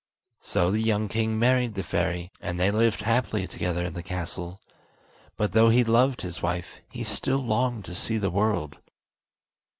So the young king married the fairy, and they lived happily together in the castle; but though he loved his wife he still longed to see the world.